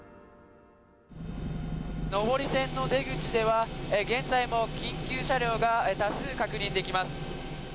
上り線の出口では、現在も緊急車両が多数確認できます。